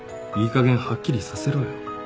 かげんはっきりさせろよ。